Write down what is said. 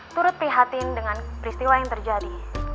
turut prihatin dengan peristiwa yang terjadi